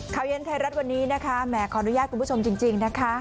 ข่าวเย็นไทยรัฐวันนี้นะคะแหมขออนุญาตคุณผู้ชมจริงนะคะ